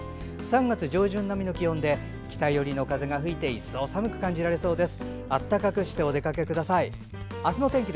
３月上旬並みの気温で北寄りの風が吹いて一層寒く感じられそうです。